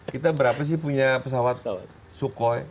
kita berapa sih punya pesawat sukhoi